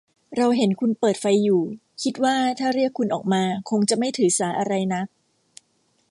เราเห็นคุณเปิดไฟอยู่ คิดว่าถ้าเรียกคุณออกมาคงจะไม่ถือสาอะไรนัก